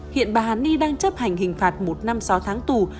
hiện bà hàn ni đang chấp hành hình phạt một năm sáu tháng tù